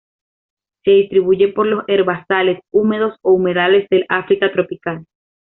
Se distribuye por los herbazales húmedos o humedales del África tropical.